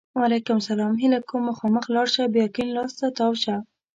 وعلیکم سلام! هیله کوم! مخامخ لاړ شه! بیا کیڼ لاس ته تاو شه!